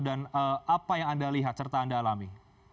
dan apa yang anda lihat serta anda alami